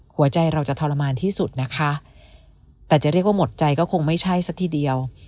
หัวใจเราจะทรมานที่สุดนะคะแต่จะเรียกว่าหมดใจก็คงไม่ใช่สักทีเดียว